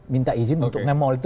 minta izin untuk nemol itu